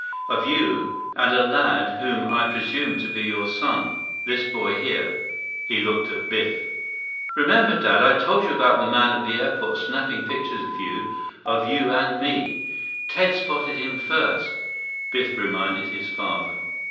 Of you and a lad whom I presume to be your son. This boy, here." He looked at Biff. "Remember, Dad? I told you about that man at the airport snapping pictures of you, of you and me. Ted spotted him first," Biff reminded his father.